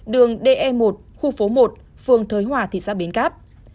đường de một khu phố một phường thới hòa thị xã bến cát